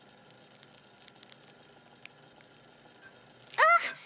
あっ！